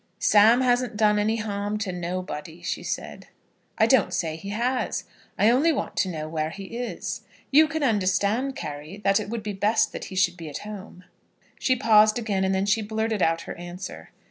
"Sam hasn't done any harm to nobody," she said. "I don't say he has. I only want to know where he is. You can understand, Carry, that it would be best that he should be at home." She paused again, and then she blurted out her answer.